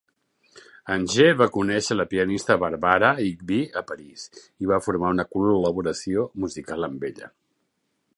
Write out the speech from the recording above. Anger va conèixer la pianista Barbara Higbie a París i va formar una col·laboració musical amb ella.